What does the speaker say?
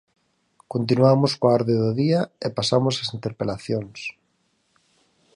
Continuamos coa orde do día e pasamos ás interpelacións.